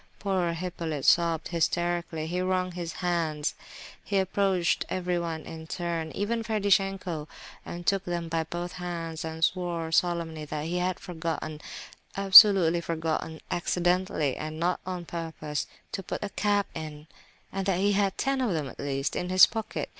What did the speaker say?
Poor Hippolyte sobbed hysterically; he wrung his hands; he approached everyone in turn—even Ferdishenko—and took them by both hands, and swore solemnly that he had forgotten—absolutely forgotten—"accidentally, and not on purpose,"—to put a cap in—that he "had ten of them, at least, in his pocket."